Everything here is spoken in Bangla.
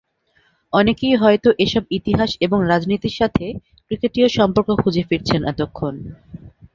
অনেকেই হয়তো এসব ইতিহাস এবং রাজনীতির সাথে ক্রিকেটীয় সম্পর্ক খুঁজে ফিরছেন এতক্ষণ।